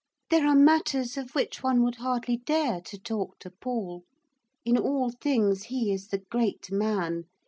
There are matters of which one would hardly dare to talk to Paul. In all things he is the great man.